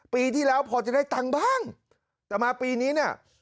ปีที่แล้วพอจะได้ตังค์บ้างแต่มาปีนี้เนี่ย